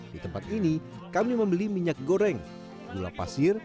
di tempat ini kami membeli minyak goreng gula pasir